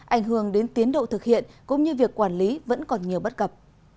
ảnh hưởng đến tiến độ thực hiện cũng như việc quản lý vẫn còn nhiều bất cập